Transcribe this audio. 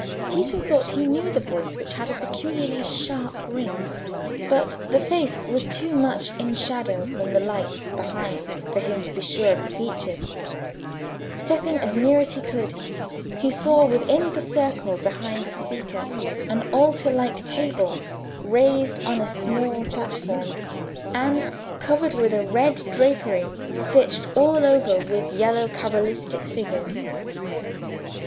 Tito thought he knew the voice, which had a peculiarly sharp ring, but the face was too much in shadow from the lights behind for him to be sure of the features. Stepping as near as he could, he saw within the circle behind the speaker an altar like table raised on a small platform, and covered with a red drapery stitched all over with yellow cabalistical figures.